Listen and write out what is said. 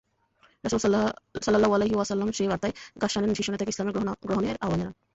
রাসূল সাল্লাল্লাহু আলাইহি ওয়াসাল্লাম সে বার্তায় গাসসানের শীর্ষ নেতাকে ইসলাম গ্রহণের আহবান জানান।